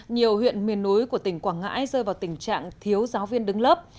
nhiều huyện miền núi của tỉnh quảng ngãi rơi vào tình trạng thiếu giáo viên đứng lớp